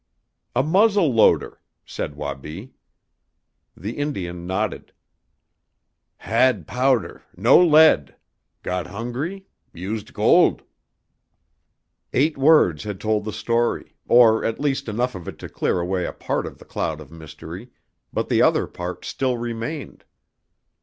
"A muzzle loader!" said Wabi. The Indian nodded. "Had powder, no lead. Got hungry; used gold." Eight words had told the story, or at least enough of it to clear away a part of the cloud of mystery, but the other part still remained.